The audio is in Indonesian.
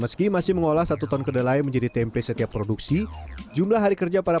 meski masih mengolah satu ton kedelai menjadi tempe setiap produksi jumlah hari kerja para